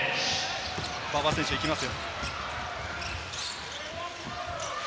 馬場選手が行きますよ。